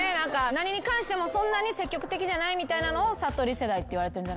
何に関してもそんなに積極的じゃないみたいなのをさとり世代っていわれてるんじゃ。